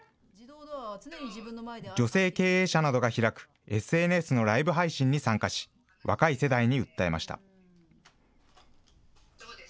女性経営者などが開くＳＮＳのライブ配信に参加し、若い世代に訴えました。